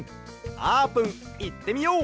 あーぷんいってみよう！